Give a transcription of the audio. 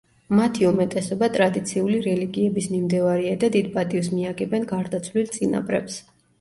მათი უმეტესობა ტრადიციული რელიგიების მიმდევარია და დიდ პატივს მიაგებენ გარდაცვლილ წინაპრებს.